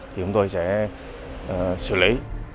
thì chúng tôi sẽ xử lý